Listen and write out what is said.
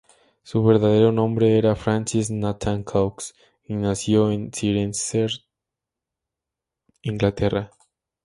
Su verdadero nombre era Francis Nathan Cox, y nació en Cirencester, Inglaterra.